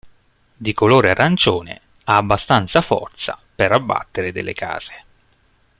Di colore arancione, ha abbastanza forza per abbattere delle case.